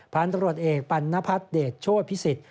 พตรเอกปันนพัทเดตโชตพิษิทธิ์